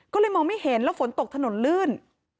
ก็เลยมองไม่เห็นแล้วฝนตกถนนลื่น